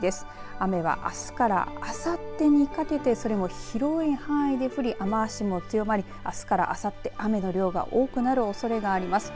雨はあすからあさってにかけてそれも広い範囲で降り雨足も強まり、あすからあさって雨の量が多くなるおそれがあります。